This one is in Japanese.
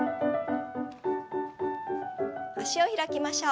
脚を開きましょう。